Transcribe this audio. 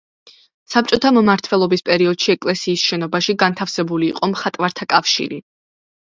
საბჭოთა მმართველობის პერიოდში ეკლესიის შენობაში განთავსებული იყო მხატვართა კავშირი.